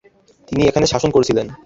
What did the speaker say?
তিনি এখানে শাসন করছিলেন।